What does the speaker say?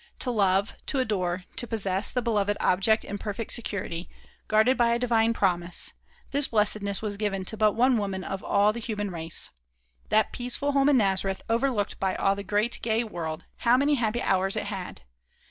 To love, to adore, to possess the beloved object in perfect security, guarded by a divine promise this blessedness was given to but one woman of all the human race. That peaceful home in Nazareth, overlooked by all the great, gay world, how many happy hours it had!